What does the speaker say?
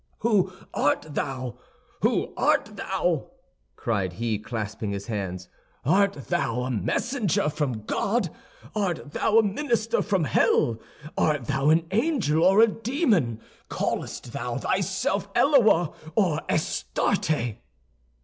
"Who art thou? Who art thou?" cried he, clasping his hands. "Art thou a messenger from God; art thou a minister from hell; art thou an angel or a demon; callest thou thyself Eloa or Astarte?"